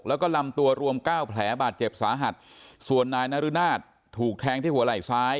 แล้วก็ลำตัวรวมเก้าแผลบาดเจ็บสาหัสส่วนนายนรุนาศถูกแทงที่หัวไหล่ซ้าย